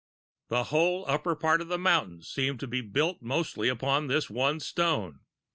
The whole upper part of the mountain seemed to be built mostly upon this one stone.